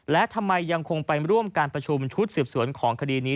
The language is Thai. และทำไมยังคงไปร่วมการประชุมชุดสืบสวนของคดีนี้